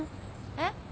えっ？